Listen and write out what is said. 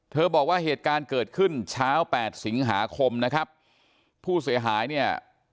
บอกว่าเหตุการณ์เกิดขึ้นเช้าแปดสิงหาคมนะครับผู้เสียหายเนี่ย